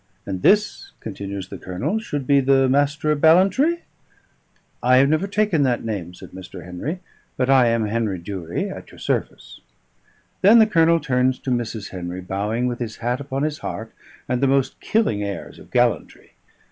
"And this," continues the Colonel, "should be the Master of Ballantrae?" "I have never taken that name," said Mr. Henry; "but I am Henry Durie, at your service." Then the Colonel turns to Mrs. Henry, bowing with his hat upon his heart and the most killing airs of gallantry.